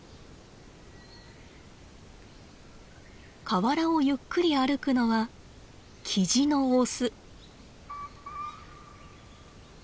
河原をゆっくり歩くのはキジのオス。